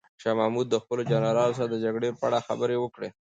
شاه محمود د خپلو جنرالانو سره د جګړې په اړه خبرې وکړې.